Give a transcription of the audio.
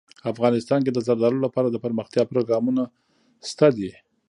افغانستان کې د زردالو لپاره دپرمختیا پروګرامونه شته دي.